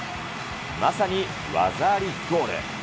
まさに技ありゴール。